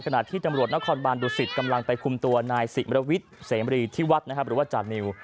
ขณะที่ตำรวจนครบาลดุศิษย์กำลังไปคุมตัวนายเสียรวิตเสียรวิทที่วัดหรือว่าจานิว